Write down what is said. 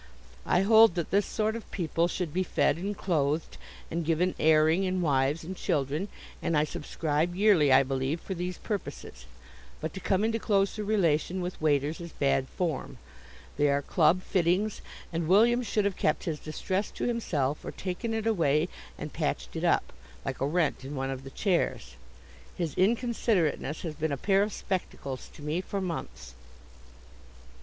I hold that this sort of people should be fed and clothed and given airing and wives and children, and I subscribe yearly, I believe, for these purposes; but to come into closer relation with waiters is bad form; they are club fittings, and William should have kept his distress to himself or taken it away and patched it up, like a rent in one of the chairs. His inconsiderateness has been a pair of spectacles to me for months.